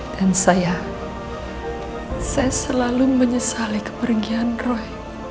dan saya saya selalu menyesali kepergian roy